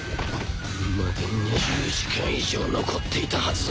まだ２０時間以上残っていたはず。